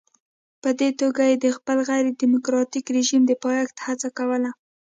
په دې توګه یې د خپل غیر ډیموکراټیک رژیم د پایښت هڅه کوله.